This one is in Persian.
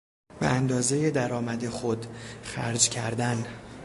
به اندازهی درآمد خود خرج کردن